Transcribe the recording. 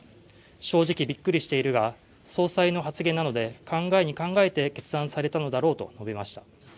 正直びっくりしているが総裁の発言なので、考えに考えて決断されたのだろうと述べました。